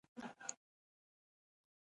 د دوو شهیدانو جنازې یو ځای ښخ شوې.